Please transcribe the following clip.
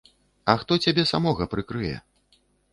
А хто цябе самога прыкрые?